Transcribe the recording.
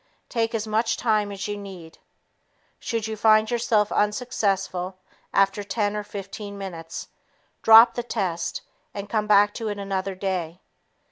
Take as much time as you need. Should you find yourself unsuccessful after ten or fifteen minutes, drop the test and come back to it another day.